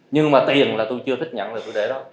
nhưng mà tiền là tôi chưa thích nhận được tôi để đó